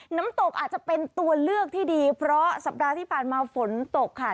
น้ำตกอาจจะเป็นตัวเลือกที่ดีเพราะสัปดาห์ที่ผ่านมาฝนตกค่ะ